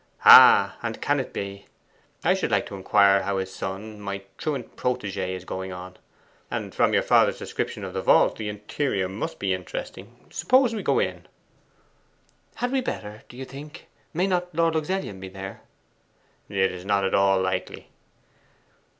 'Ah, and can it be? I should like to inquire how his son, my truant protege', is going on. And from your father's description of the vault, the interior must be interesting. Suppose we go in.' 'Had we better, do you think? May not Lord Luxellian be there?' 'It is not at all likely.